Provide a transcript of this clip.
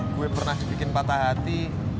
gue pernah dibikin patah hati